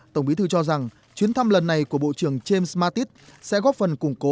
tổng bí thư cho rằng chuyến thăm lần này của bộ trưởng james mattit sẽ góp phần củng cố